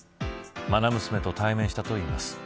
まな娘と対面したといいます。